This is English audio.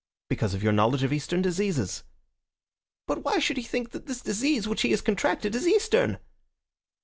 "Because of your knowledge of Eastern diseases." "But why should he think that this disease which he has contracted is Eastern?"